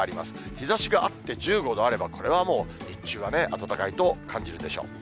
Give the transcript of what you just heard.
日ざしがあって１５度あれば、これはもう日中はね、暖かいと感じるでしょう。